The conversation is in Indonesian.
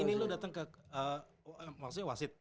ini lo datang ke maksudnya wasit